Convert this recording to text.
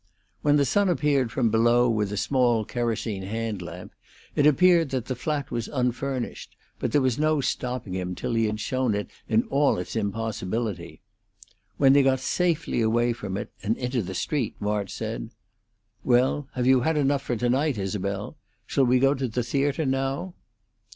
When the son appeared from below with a small kerosene hand lamp, it appeared that the flat was unfurnished, but there was no stopping him till he had shown it in all its impossibility. When they got safely away from it and into the street March said: "Well, have you had enough for to night, Isabel? Shall we go to the theatre now?"